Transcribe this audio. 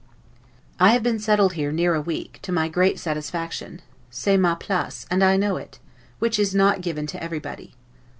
I have been settled here near a week, to my great satisfaction; 'c'est ma place', and I know it, which is not given to everybody.